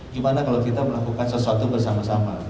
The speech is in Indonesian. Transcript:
gimana kalau kita melakukan sesuatu bersama sama